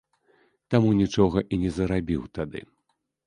Таму нічога і не зарабіў тады.